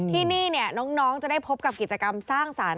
ที่นี่น้องจะได้พบกับกิจกรรมสร้างสรรค์